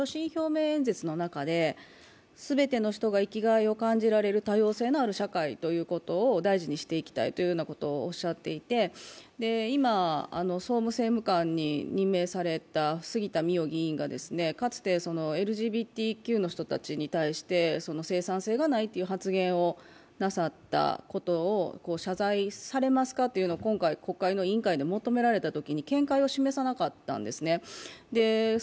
岸田総理が先日、所信表明演説の中で全ての人が生きがいを感じられる多様性のある社会を大事にしていきたいというようなことをおっしゃっていて今、総務政務官に任命された杉田水脈議員がかつてＬＧＢＴＱの人たちに対して生産性がないという発言をなさったことを謝罪されますかというのを今回、国会の委員会で求められたときに見解を示さなかったんですね。